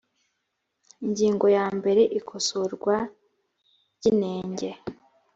ingingo ya mbere ikosorwa ry inenge